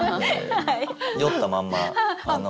酔ったまんまあの。